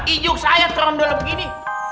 ijuk saya terondol begini